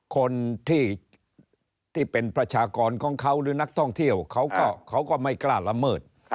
คนที่เป็นประชากรของเขาหรือนักท่องเที่ยวเขาก็ไม่กล้าละเมิด